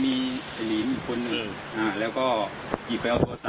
นี้คือว่ามีอัพพระมีแล้วก็ดูซิสีวัฒน์